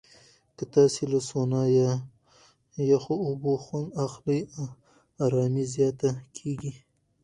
که تاسو له سونا یا یخو اوبو خوند واخلئ، آرامۍ زیاته کېږي.